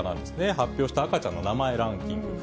発表した赤ちゃんの名前ランキング。